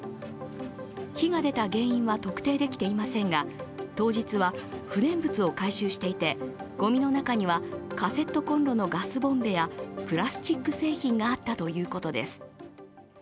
火が出た原因は特定できていませんが、当日は不燃物を回収していて、ごみの中にはカセットコンロのガスボンベやプラスチック製品があったということです。